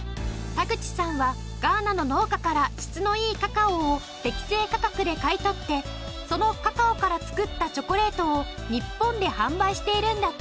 田口さんはガーナの農家から質のいいカカオを適正価格で買い取ってそのカカオから作ったチョコレートを日本で販売しているんだって。